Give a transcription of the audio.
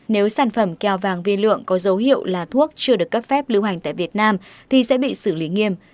nếu sản phẩm keo vàng vi lượng có dấu hiệu là thuốc chưa được cấp phép lưu hành tại việt nam thì sẽ bị xử lý nghiêm